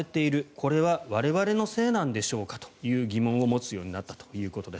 これは我々のせいなんでしょうかという疑問を持つようになったということです。